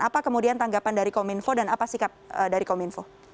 apa kemudian tanggapan dari kominfo dan apa sikap dari kominfo